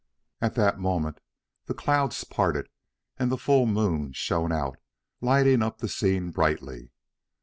At that moment the clouds parted and the full moon shone out, lighting up the scene brightly.